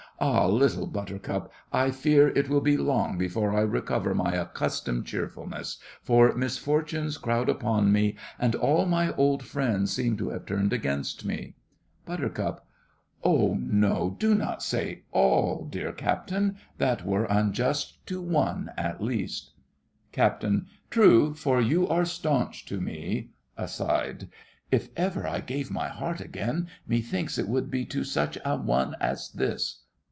Ah! Little Buttercup, I fear it will be long before I recover my accustomed cheerfulness, for misfortunes crowd upon me, and all my old friends seem to have turned against me! BUT, Oh no—do not say "all", dear Captain. That were unjust to one, at least. CAPT. True, for you are staunch to me. (Aside.) If ever I gave my heart again, methinks it would be to such a one as this!